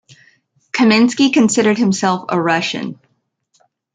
Kaminski considered himself a Russian.